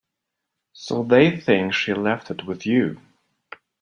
So they think she left it with you.